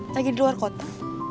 lagi di luar kota